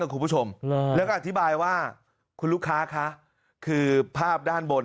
คุณผู้ชมแล้วก็อธิบายว่าคุณลูกค้าคะคือภาพด้านบน